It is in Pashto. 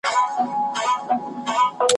تمدن او تاریخي افتخاراتو مرکز `